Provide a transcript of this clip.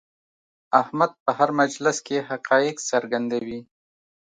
احمد په هر مجلس کې حقایق څرګندوي.